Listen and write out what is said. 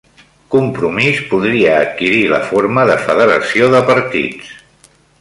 Compromís podria adquirir la forma de federació de partits